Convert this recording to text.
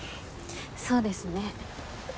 そうですね。